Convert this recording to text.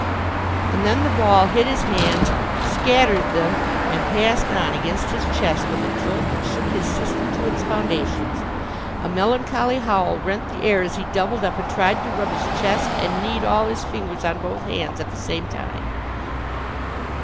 And then the ball hit his hands, scattered them, and passed on against his chest with a jolt that shook his system to its foundations. A melancholy howl rent the air as he doubled up and tried to rub his chest and knead all his fingers on both hands at the same time.